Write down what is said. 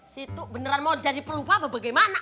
si itu beneran mau jadi pelupa apa bagaimana